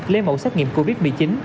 lê mẫu xét nghiệm covid một mươi chín